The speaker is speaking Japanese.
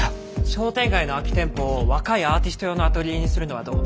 商店街の空き店舗を若いアーティスト用のアトリエにするのはどう？